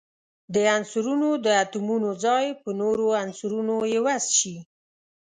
د عنصرونو د اتومونو ځای په نورو عنصرونو عوض شي.